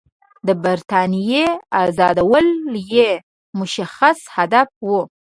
د برټانیې آزادول یې مشخص هدف وو.